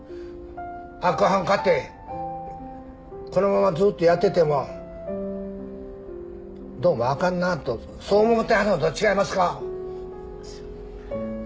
明子はんかてこのままずっとやっててもどうもあかんなあとそう思うてはるのと違いますか。